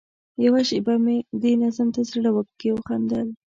یوه شېبه مې دې نظم ته زړه کې وخندل.